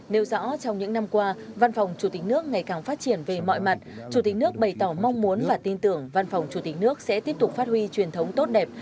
nêu rõ trong những năm qua văn phòng chủ tịch nước ngày càng phát triển về mọi mặt chủ tịch nước bày tỏ mong muốn và tin tưởng văn phòng chủ tịch nước sẽ tiếp tục phát huy truyền thống tốt đẹp